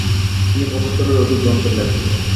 তিনি পঁচাত্তরের অধিক গ্রন্থের লেখক।